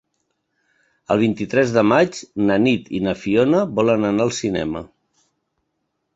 El vint-i-tres de maig na Nit i na Fiona volen anar al cinema.